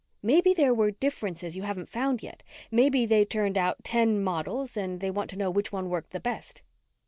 Maybe there were differences you haven't found yet maybe they turned out ten models and they want to know which one worked the best."